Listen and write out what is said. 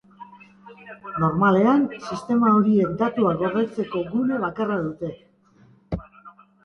Normalean, sistema horiek datuak gordetzeko gune bakarra dute.